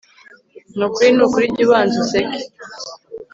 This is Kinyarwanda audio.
Nukuri nukuri jyubanza useke